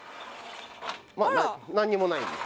何にもない。